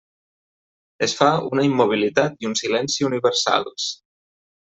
Es fa una immobilitat i un silenci universals.